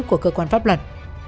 của cơ quan pháp luật